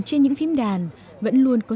trên những phim đàn